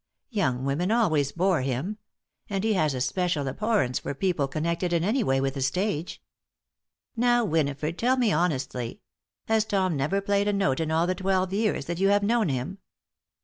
Young women always bore him. And he has a special abhorrence for people connected in any way with the stage." "Now, Winifred, tell me honestly: Has Tom never played a note in all the twelve years that you have known him?"